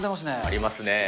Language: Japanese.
ありますね。